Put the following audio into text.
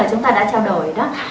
chúng ta đã trao đổi đó